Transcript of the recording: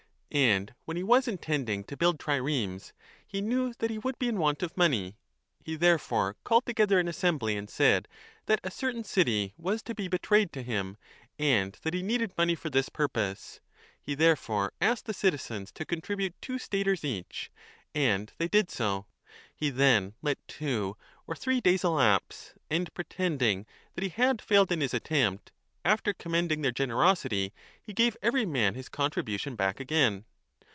And when he was intending to build triremes, he knew 25 that he would be in want of money. He therefore called together an assembly and said that a certain city was to be betrayed to him and that he needed money for this purpose. He therefore asked the citizens to contribute two staters each ; and they did so. He then let two or three days elapse, and pretending that he had failed in his attempt, after commending their generosity he gave every man his contri bution back again.